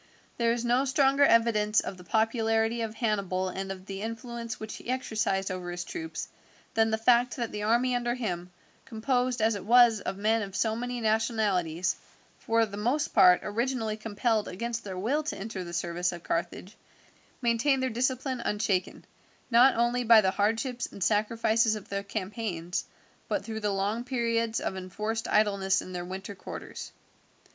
There is no stronger evidence of the popularity of Hannibal and of the influence which he exercised over his troops than the fact that the army under him, composed, as it was, of men of so many nationalities, for the most part originally compelled against their will to enter the service of Carthage, maintained their discipline unshaken, not only by the hardships and sacrifices of the campaigns, but through the long periods of enforced idleness in their winter quarters.